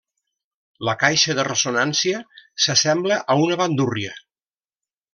La caixa de ressonància s'assembla a una bandúrria.